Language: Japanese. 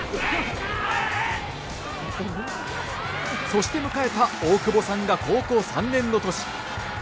そして迎えた大久保さんが高校３年の年。